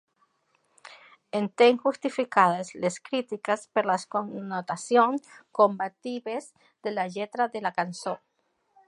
Entén justificades les crítiques per les connotacions combatives de la lletra de la cançó.